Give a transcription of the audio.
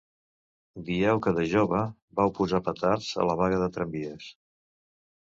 Dieu que de jove vau posar petards a la vaga de tramvies.